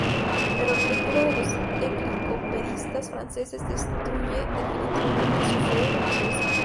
Pero la lectura de los enciclopedistas franceses destruye definitivamente su fe religiosa.